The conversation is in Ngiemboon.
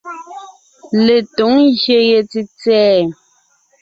Letǒŋ ngyè ye tsètsɛ̀ɛ.